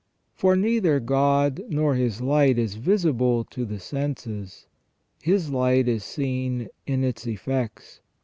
For neither God nor His light is visible to the senses. His light is seen in its effects.